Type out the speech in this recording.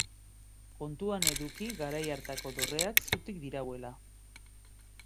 Kontuan eduki garai hartako dorreak zutik dirauela.